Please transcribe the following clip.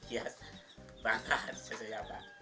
iya banget selesai ya pak